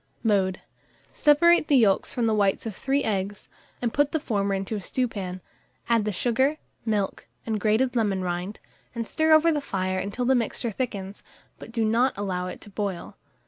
Mode. Separate the yolks from the whites of 3 eggs, and put the former into a stewpan; add the sugar, milk, and grated lemon rind, and stir over the fire until the mixture thickens; but do not allow it to boil.